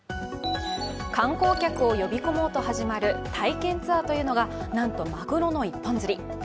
観光客を呼び込もうと始まる体験ツアーというものがなんと、マグロの一本釣り。